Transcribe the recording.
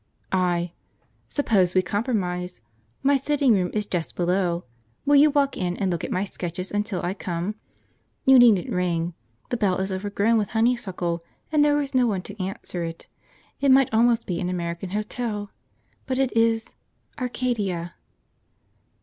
I. "Suppose we compromise. My sitting room is just below; will you walk in and look at my sketches until I come? You needn't ring; the bell is overgrown with honeysuckle and there is no one to answer it; it might almost be an American hotel, but it is Arcadia!"